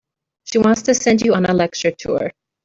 She wants to send you on a lecture tour.